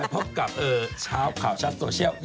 พบกับเช้าข่าวชัดโซเชียล